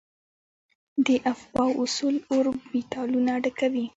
د افباؤ اصول اوربیتالونه ډکوي.